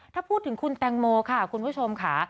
ถ้าพูดถึงคุณแตงโมค่ะคุณผู้ชมค่ะ